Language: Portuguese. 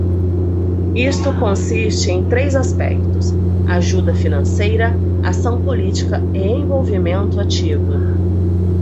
Isto consiste em três aspectos: ajuda financeira, ação política e envolvimento ativo.